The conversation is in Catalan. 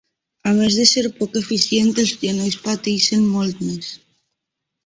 A més de ser poc eficient els genolls pateixen molt més.